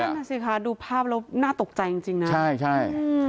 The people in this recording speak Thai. นั่นแหละสิคะดูภาพแล้วน่าตกใจจริงนะใช่